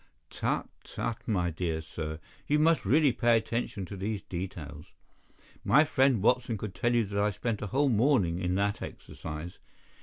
Tut, tut my dear sir, you must really pay attention to these details. My friend Watson could tell you that I spent a whole morning in that exercise.